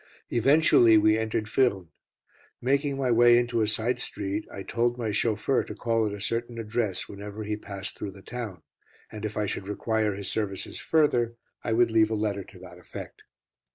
Eventually we entered Furnes. Making my way into a side street, I told my chauffeur to call at a certain address whenever he passed through the town, and if I should require his services further, I would leave a letter to that effect.